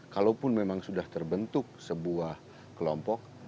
kalaupun memang sudah terbentuk sebuah kelompok